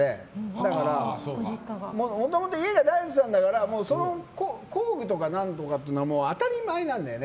だから、もともと家が大工さんだからその工具とか何とかは当たり前なんだよね。